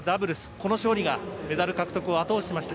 この勝利がメダル獲得を後押ししました。